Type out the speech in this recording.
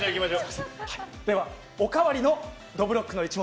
ではおかわりの「どぶろっくの一物」。